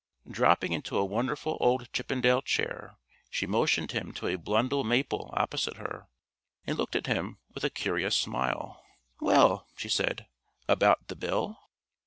Dropping into a wonderful old Chippendale chair, she motioned him to a Blundell Maple opposite her, and looked at him with a curious smile. "Well," she said, "about the Bill?"